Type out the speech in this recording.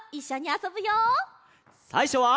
さいしょは。